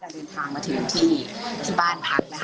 จากภูมิในโดยเบาะที่นาริน